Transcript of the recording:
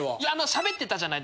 しゃべってたね。